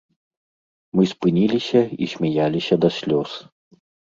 Мы спыніліся і смяяліся да слёз.